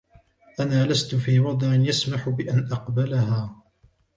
أنا لستُ في وضع يسمح بأن أقبلها.